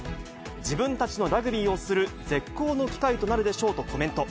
自分たちのラグビーをする絶好の機会となるでしょうとコメント。